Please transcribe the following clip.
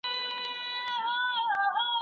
ایا ستا مقاله په کوم مجله کي چاپ سوي ده؟